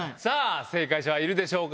正解者はいるでしょうか？